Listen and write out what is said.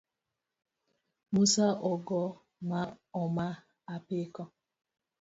Musa ogo ma oma apiko